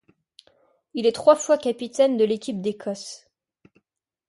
Il est trois fois capitaine de l'équipe d'Écosse.